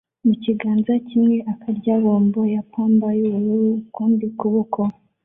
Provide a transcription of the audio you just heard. mukiganza kimwe akarya bombo ya pamba yubururu ukundi kuboko